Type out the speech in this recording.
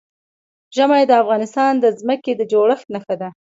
ژمی د افغانستان د ځمکې د جوړښت نښه ده.